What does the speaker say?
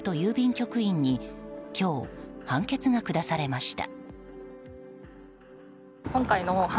局員に今日、判決が下されました。